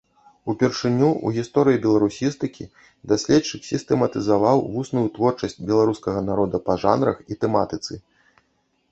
Упершыню ў гісторыі беларусістыкі даследчык сістэматызаваў вусную творчасць беларускага народа па жанрах і тэматыцы.